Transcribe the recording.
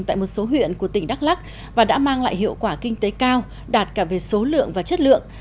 tại một số huyện của tỉnh đắk lắc và đã mang lại hiệu quả kinh tế cao đạt cả về số lượng và chất lượng